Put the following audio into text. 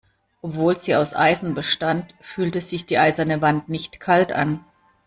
Obwohl sie aus Eisen bestand, fühlte sich die eiserne Wand nicht kalt an.